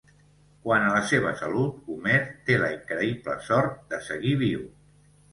Quant a la seva salut, Homer té la increïble sort de seguir viu.